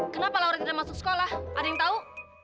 kenapa laura tidak masuk sekolah ada yang tahu